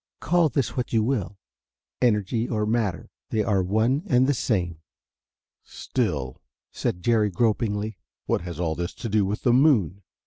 Call this what you will energy or matter they are one and the same." "Still," said Jerry, gropingly, "what has all that to do with the moon?